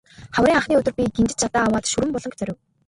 Хаврын анхны өдөр би гинжит жадаа аваад Шүрэн буланг зорив.